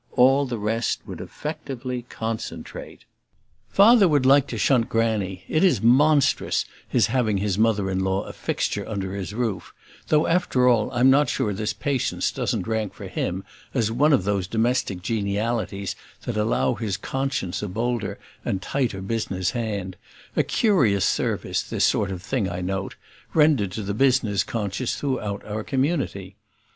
all the rest would effectively concentrate. Father would like to shunt Granny it IS monstrous his having his mother in law a fixture under his roof; though, after all, I'm not sure this patience doesn't rank for him as one of those domestic genialities that allow his conscience a bolder and tighter business hand; a curious service, this sort of thing, I note, rendered to the business conscience throughout our community.